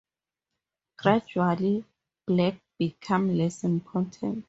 Gradually, black became less important.